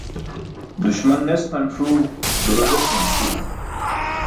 Duśman nesqan ṣuu duro desman ṣuu